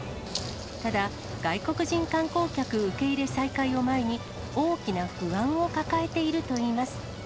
ただ、外国人観光客受け入れ再開を前に、大きな不安を抱えているといいます。